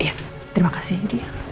iya terima kasih din